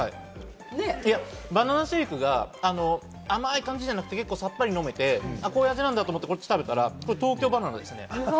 バナナシェイクが甘い感じじゃなくて、さっぱり飲めて、こういう味なんだと思って、こっち食べたら、東京ばな奈ですね。